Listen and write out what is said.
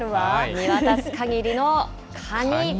見渡すかぎりのカニ。